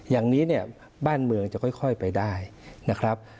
อย่างนี้เนี่ยบ้านเมืองจะค่อยไปได้นะครับ